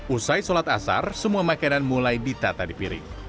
usai sholat asar semua makanan mulai ditata di piring